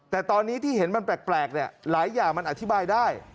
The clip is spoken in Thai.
แต่ตอนนี้ที่เห็นมันแปลกหลายอย่างมันอธิบายได้